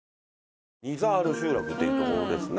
西村：二ザール集落っていう所ですね。